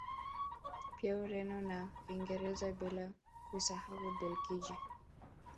Pia Ureno na Uingereza bila kuisahau Ubelgiji